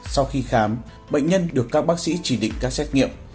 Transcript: sau khi khám bệnh nhân được các bác sĩ chỉ định các xét nghiệm